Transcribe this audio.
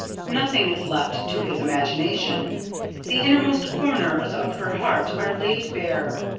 Nothing is left to his imagination the innermost corners of her heart are laid bare.